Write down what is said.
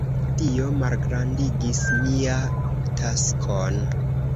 Tio malgrandigis mia taskon.